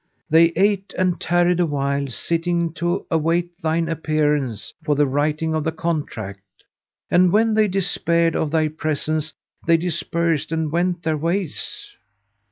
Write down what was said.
They ate and tarried awhile sitting to await thine appearance for the writing of the contract; and, when they despaired of thy presence, they dispersed and went their ways.